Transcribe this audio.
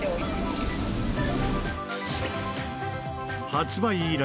発売以来